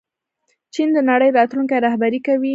چین د نړۍ راتلونکی رهبري کوي.